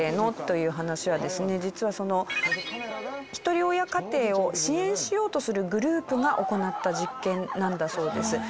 実はひとり親家庭を支援しようとするグループが行った実験なんだそうです。